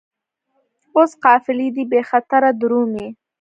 اوس قافلې دي بې خطره درومي